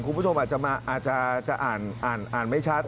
คุณผู้ชมอาจจะมาอาจจะอ่านไม่ชัด